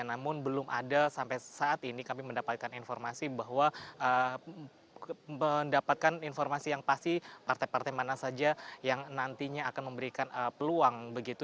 namun belum ada sampai saat ini kami mendapatkan informasi bahwa mendapatkan informasi yang pasti partai partai mana saja yang nantinya akan memberikan peluang begitu